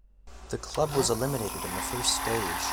The club was eliminated in the first stage.